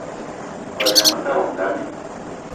Ngo yama mekad wo ngam i?